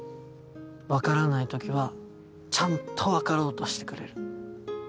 分からない時はちゃんと分かろうとしてくれる。